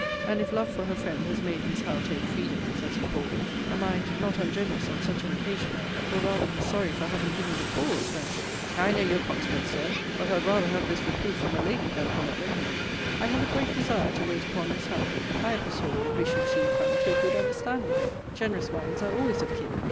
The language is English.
And if love for her friend has made Miss Howe take freedoms, as you call them, a mind not ungenerous, on such an occasion, will rather be sorry for having given the cause, than I know your consequence, Sir! but I'd rather have this reproof from a lady than from a gentleman. I have a great desire to wait upon Miss Howe. I am persuaded we should soon come to a good understanding. Generous minds are always of kin.